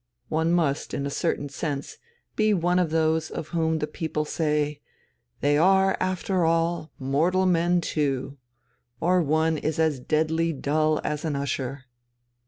One must, in a certain sense, be one of those of whom the people say: 'They are, after all, mortal men too' or one is as deadly dull as an usher.